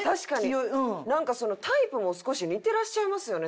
なんかタイプも少し似てらっしゃいますよね